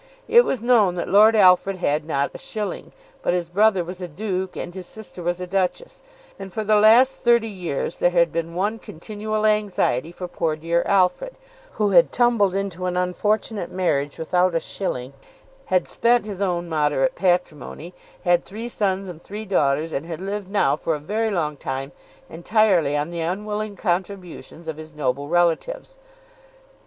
It was known that Lord Alfred had not a shilling; but his brother was a duke and his sister was a duchess, and for the last thirty years there had been one continual anxiety for poor dear Alfred, who had tumbled into an unfortunate marriage without a shilling, had spent his own moderate patrimony, had three sons and three daughters, and had lived now for a very long time entirely on the unwilling contributions of his noble relatives.